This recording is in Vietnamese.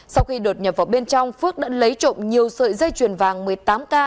sau khi đột nhập vào bên trong phước đã lấy trộm nhiều sợi dây chuyền vàng một mươi tám k